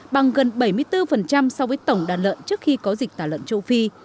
bằng gần bảy mươi bốn so với tổng đàn lợn trước khi có dịch tả lợn châu phi